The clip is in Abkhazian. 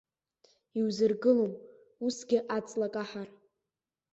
Иузыргылом усгьы аҵла каҳар.